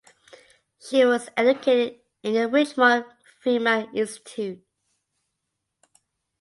She was educated in the Richmond Female Institute.